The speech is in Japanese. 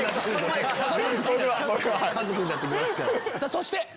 そして。